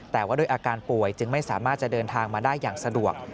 แต่ว่าด้วยอาการป่วยจึงไม่สามารถจะเดินทางมาได้อย่างสะดวก